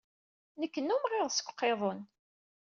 Nekk nnummeɣ iḍes deg uqiḍun.